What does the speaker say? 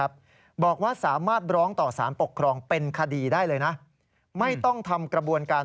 บอกว่าสามารถร้องต่อสารปกครองเป็นคดีได้เลยนะไม่ต้องทำกระบวนการ